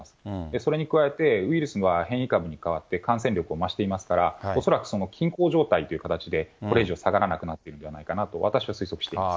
それに加えてウイルスは変異株に変わって、感染力を増していますから、恐らくその均衡状態という形でこれ以上下がらなくなっているのではないかなと私は推測しております。